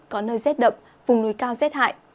có nơi rét đậm vùng núi cao rét hại